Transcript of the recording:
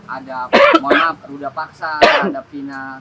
ada monop ruda paksa ada fina